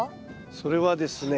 それはですね